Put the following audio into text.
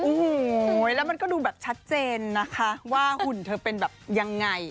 โอ้โหแล้วมันก็ดูแบบชัดเจนนะคะว่าหุ่นเธอเป็นแบบยังไง